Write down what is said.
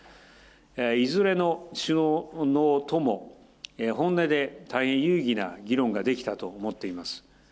いずれの首脳とも本音で大変有意義な議論ができたと思っています。